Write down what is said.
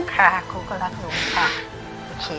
ครับครูก็รักหนูค่ะ